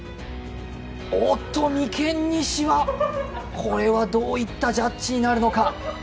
おっと、眉間にしわ、これはどういったジャッジになるのか。